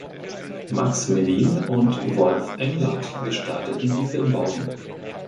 Max Mellin und Wolf Englert gestalteten die Filmbauten.